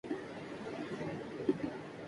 تمام مسلمانوں کو ترکی کا ساتھ دینا چاہئے